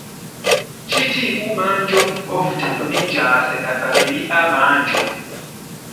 Ĉi tiu manĝo ofte nomiĝas la familia manĝo.